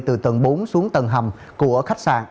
từ tầng bốn xuống tầng hầm của khách sạn